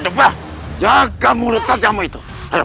jangan kamu letak jamu itu